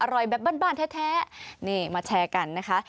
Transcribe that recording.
อร่อยแบบบ้านแท้นี่มาแชร์กันนะคะ